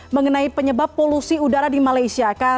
mengenai penyebab polusi udara di malaysia